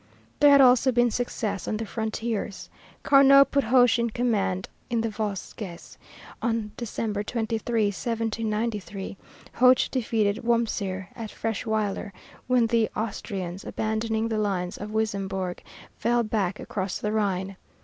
There had also been success on the frontiers. Carnot put Hoche in command in the Vosges. On December 23, 1793, Hoche defeated Wurmser at Freschweiller, when the Austrians, abandoning the lines of Wissembourg, fell back across the Rhine.